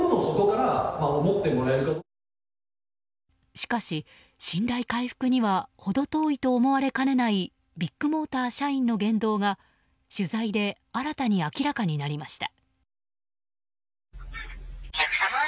しかし、信頼回復には程遠いと思われかねないビッグモーター社員の言動が取材で新たに明らかになりました。